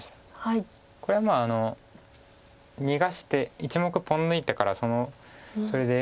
これはまあ逃がして１目ポン抜いてからそれで。